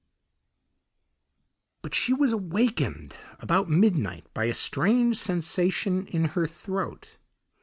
But she was awakened about midnight by a strange sensation in her throat.